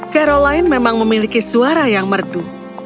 caroline memang memiliki suara yang merdu